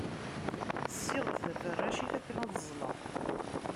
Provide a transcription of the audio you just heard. Ssiɣ-d taferracit akken ad ẓleɣ.